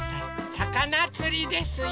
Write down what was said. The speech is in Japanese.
さかなつりですよ。